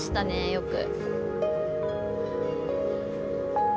よく。